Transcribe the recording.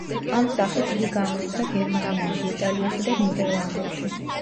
ამ სახით იგი გამოიცა გერმანიაში, იტალიაში და ნიდერლანდებში.